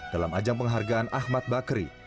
dalam ajang penghargaan ahmad bakri